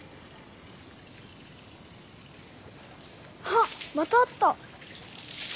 はっまたあった！